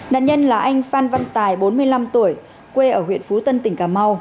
nạn nhân là anh phan văn tài bốn mươi năm tuổi quê ở huyện phú tân tỉnh cà mau